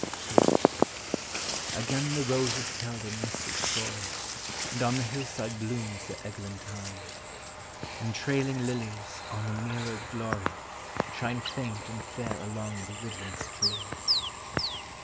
Again the roses tell their mystic story. And on the hillside blooms the eglantine. And trailing lilies, on the mirrored glory. Shine faint and fair along the woodland stream.